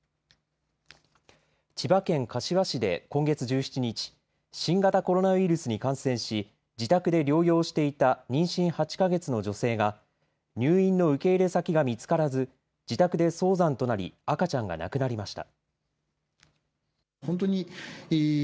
千葉県柏市で今月１７日、新型コロナウイルスに感染し自宅で療養していた妊娠８か月の女性が入院の受け入れ先が見つからず自宅で早産となり、赤ちゃんが亡くなりました。